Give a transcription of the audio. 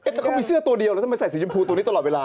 แต่เขามีเสื้อตัวเดียวแล้วทำไมใส่สีชมพูตัวนี้ตลอดเวลา